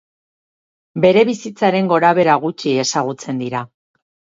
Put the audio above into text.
Bere bizitzaren gorabehera gutxi ezagutzen dira.